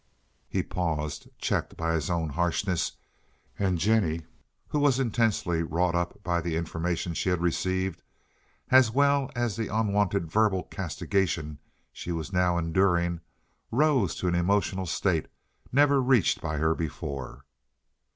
He paused, checked by his own harshness, and Jennie, who was intensely wrought up by the information she had received, as well as the unwonted verbal castigation she was now enduring, rose to an emotional state never reached by her before.